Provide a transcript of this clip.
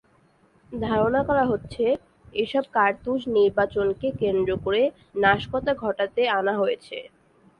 ধারণা করা হচ্ছে, এসব কার্তুজ নির্বাচনকে কেন্দ্র করে নাশকতা ঘটাতে আনা হয়েছে।